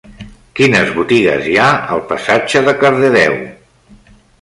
Quines botigues hi ha al passatge de Cardedeu?